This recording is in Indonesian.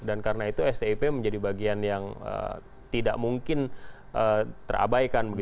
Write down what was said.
dan karena itu stip menjadi bagian yang tidak mungkin terabaikan